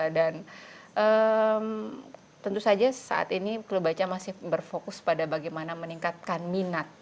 dan tentu saja saat ini klo baca masih berfokus pada bagaimana meningkatkan minat